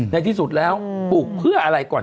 ในที่สุดแล้วปลูกเพื่ออะไรก่อน